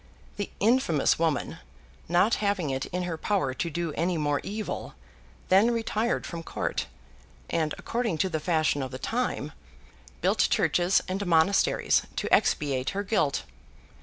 The infamous woman, not having it in her power to do any more evil, then retired from court, and, according, to the fashion of the time, built churches and monasteries, to expiate her guilt.